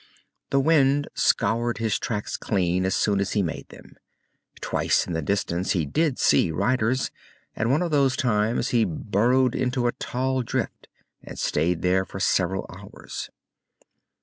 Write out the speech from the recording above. The wind scoured his tracks clean as soon as he made them. Twice, in the distance, he did see riders, and one of those times he burrowed into a tall drift and stayed there for several hours.